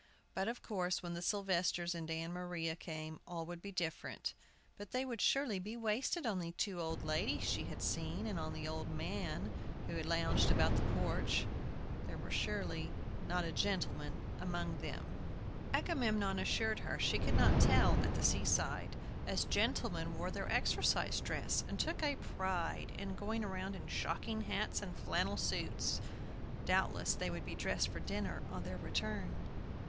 But of course, when the Sylvesters and Ann Maria came, all would be different; but they would surely be wasted on the two old ladies she had seen, and on the old men who had lounged about the porch; there surely was not a gentleman among them. Agamemnon assured her she could not tell at the seaside, as gentlemen wore their exercise dress, and took a pride in going around in shocking hats and flannel suits. Doubtless they would be dressed for dinner on their return.